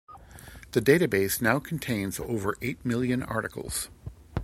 The database now contains over eight million articles.